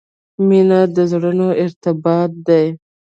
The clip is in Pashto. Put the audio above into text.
• مینه د زړونو ارتباط دی.